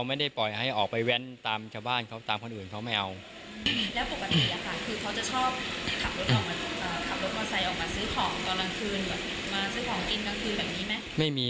ไม่ค่อยมี